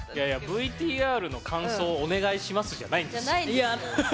ＶＴＲの感想お願いしますじゃないんですよ！